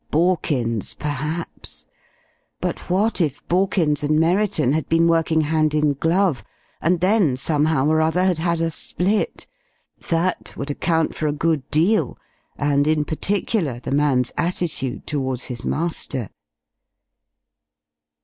Borkins, perhaps. But what if Borkins and Merriton had been working hand in glove, and then, somehow or other, had had a split? That would account for a good deal, and in particular the man's attitude toward his master....